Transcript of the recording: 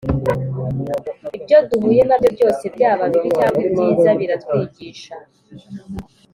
ibyo duhuye na byo byose, byaba ibibi cyangwa ibyiza biratwigisha